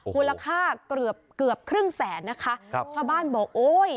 มูลค่าเกือบเกือบครึ่งแสนนะคะครับชาวบ้านบอกโอ้ย